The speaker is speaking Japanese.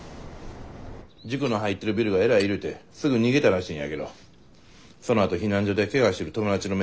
塾の入ってるビルがえらい揺れてすぐ逃げたらしいんやけどそのあと避難所でケガしてる友達の面倒見とったんやて。